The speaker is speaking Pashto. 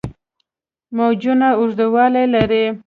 موجونه اوږدوالي لري.